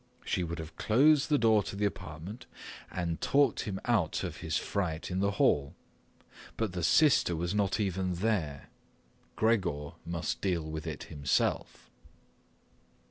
She would have closed the door to the apartment and talked him out of his fright in the hall. But the sister was not even there. Gregor must deal with it himself.